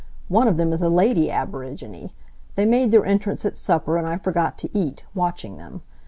One of them is a lady aborigine. They made their entrance at supper and I forgot to eat, watching them.